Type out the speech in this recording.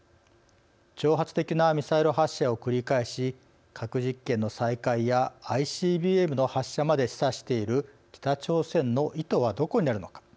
挑発的なミサイル発射を繰り返し核実験の再開やＩＣＢＭの発射まで示唆している北朝鮮の意図はどこにあるのか。